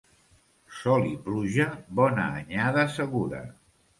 Sol i pluja, bona anyada segura.